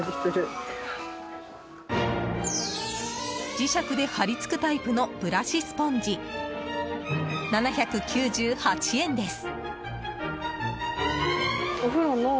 磁石で貼り付くタイプのブラシスポンジ、７９８円です。